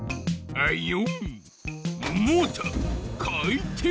あいよ。